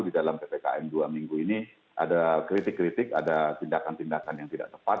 di dalam ppkm dua minggu ini ada kritik kritik ada tindakan tindakan yang tidak tepat